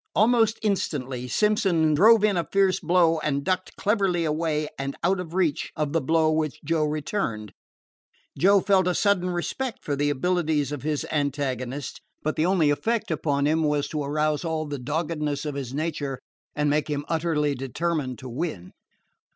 Almost instantly Simpson drove in a fierce blow and ducked cleverly away and out of reach of the blow which Joe returned. Joe felt a sudden respect for the abilities of his antagonist, but the only effect upon him was to arouse all the doggedness of his nature and make him utterly determined to win.